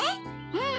うん！